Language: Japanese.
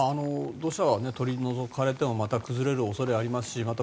土砂は取り除かれてもまた崩れる恐れがありますしまた